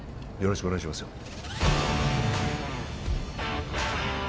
よろしくお願いしますよ